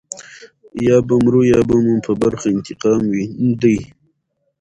یا به مرو یا مو په برخه انتقام دی.